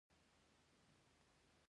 دا لاسرسی باید د ټولو غړو لپاره برابر وي.